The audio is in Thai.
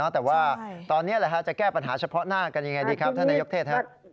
แต่ว่าตอนนี้จะแก้ปัญหาเฉพาะหน้ากันยังไงดีครับท่านนายกเทศ